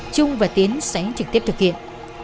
trung và tiến sẽ trực tiếp thực hiện